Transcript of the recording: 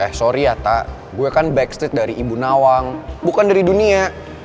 eh sorry ya tak gue kan backstreet dari ibu nawang bukan dari dunia